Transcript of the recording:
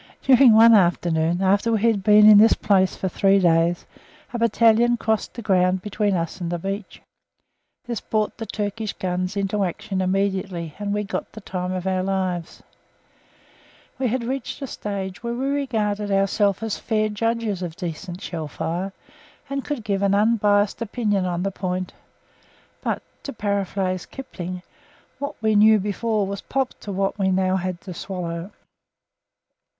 During one afternoon, after we had been in this place for three days, a battalion crossed the ground between us and the beach. This brought the Turkish guns into action immediately, and we got the time of our lives. We had reached a stage when we regarded ourselves as fair judges of decent shell fire, and could give an unbiassed opinion on the point, but to paraphrase Kipling what we knew before was "Pop" to what we now had to swallow.